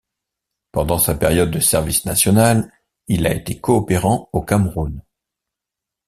Pendant sa période de service national, il a été coopérant au Cameroun.